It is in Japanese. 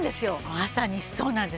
まさにそうなんです。